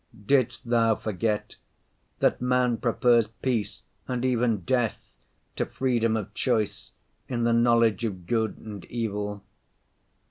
Didst Thou forget that man prefers peace, and even death, to freedom of choice in the knowledge of good and evil?